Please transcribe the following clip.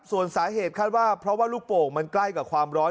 ส่วนสาเหตุคาดว่าเพราะว่าลูกโป่งมันใกล้กับความร้อน